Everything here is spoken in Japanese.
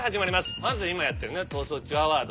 まず今やってるね『逃走中』ＡＷＡＲＤ。